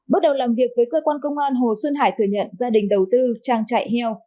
bước đầu làm việc với cơ quan công an hồ xuân hải thừa nhận gia đình đầu tư trang trại heo